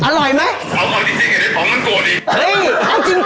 เฮ้ยอย่ากก็ได้มาเลย